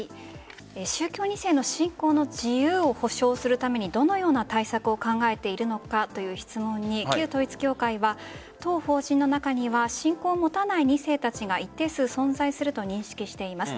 宗教２世の信仰の自由を保障するためにどのような対策を考えているのかという質問に旧統一教会は、当法人の中には信仰を持たない２世たちが一定数存在すると認識しています。